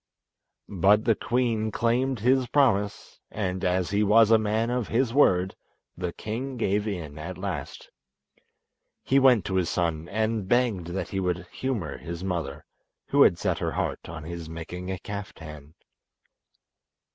But the queen claimed his promise, and as he was a man of his word the king gave in at last. He went to his son and begged that he would humour his mother, who had set her heart on his making a kaftan.